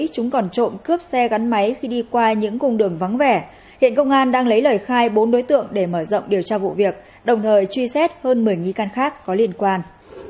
chúng còn trộm cướp xe gắn máy khi đi qua những cung đường vắng vẻ hiện công an đang lấy lời khai bốn đối tượng để mở rộng điều tra vụ việc đồng thời truy xét hơn một mươi nghi can khác có liên quan